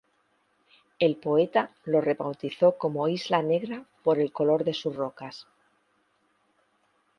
El poeta lo rebautizó como Isla Negra por el color de sus rocas.